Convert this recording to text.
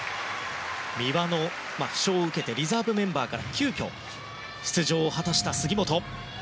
三輪の負傷を受けてリザーブメンバーから急きょ出場を果たした杉本。